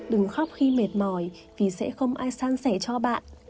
đừng khóc khi mệt mỏi vì sẽ không ai san sẻ cho bạn